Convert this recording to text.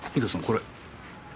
これ。